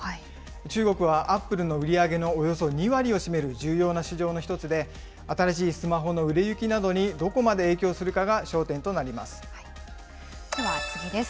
中国はアップルの売り上げのおよそ２割を占める重要な市場の一つで、新しいスマホの売れ行きなどにどこまで影響するかが焦点となでは次です。